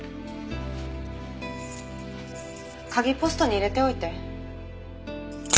鍵ポストに入れておいて。